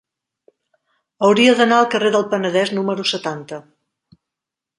Hauria d'anar al carrer del Penedès número setanta.